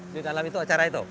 di dalam itu acara itu